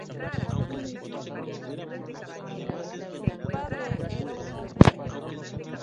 Se alimentan básicamente de insectos, gusanos y otros invertebrados.